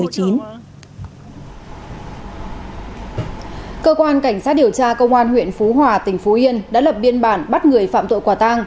cơ quan cảnh sát điều tra công an huyện phú hòa tỉnh phú yên đã lập biên bản bắt người phạm tội quả tang